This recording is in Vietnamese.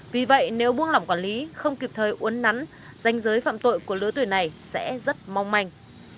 vì vậy nếu buông lỏng quản lý không kịp thời uốn nắn danh giới phạm tội của lứa tuổi này sẽ rất mong manh